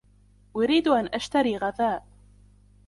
أريد أن أشترى غذاء.